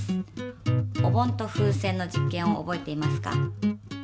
お盆と風船の実験を覚えていますか？